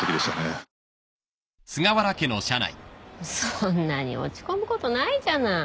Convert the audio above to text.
そんなに落ち込むことないじゃない。